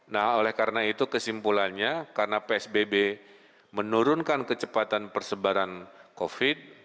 nah oleh karena itu kesimpulannya karena psbb menurunkan kecepatan persebaran covid